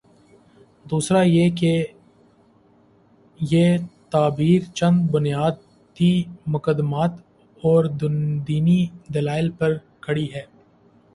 دوسرا یہ کہ یہ تعبیر چند بنیادی مقدمات اوردینی دلائل پر کھڑی ہے۔